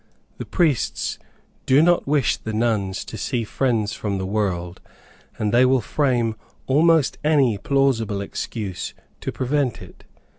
The priests do not wish the nuns to see friends from the world, and they will frame almost any plausible excuse to prevent it.